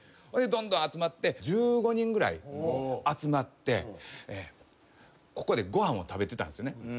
それでどんどん集まって１５人ぐらい集まってここでご飯を食べてたんですよね。